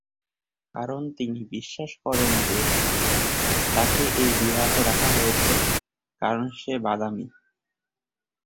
কারণ তিনি বিশ্বাস করেন যে "তাকে এই বিভাগে রাখা হয়েছে, কারণ সে বাদামী"।